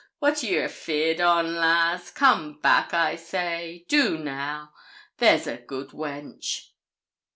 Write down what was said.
What are ye afeard on, lass? Come back, I say do now; there's a good wench.'